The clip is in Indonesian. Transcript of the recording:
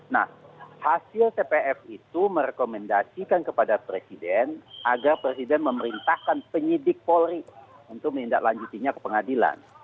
nah hasil tpf itu merekomendasikan kepada presiden agar presiden memerintahkan penyidik polri untuk menindaklanjutinya ke pengadilan